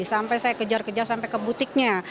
sampai saya kejar kejar sampai ke butiknya